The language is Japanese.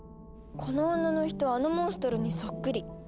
この女の人あのモンストロにそっくり。